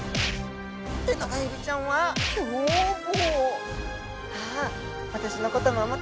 テナガエビちゃんは凶暴。